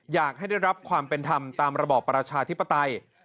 อยากให้ได้รับความเป็นธรรมตามระบอบประชาธิปไตย